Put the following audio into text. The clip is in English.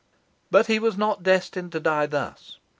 But he was not destined to die thus.